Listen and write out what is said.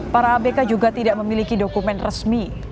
para abk juga tidak memiliki dokumen resmi